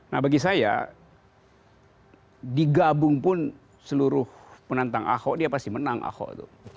nah bagi saya digabung pun seluruh penantang ahok dia pasti menang ahok itu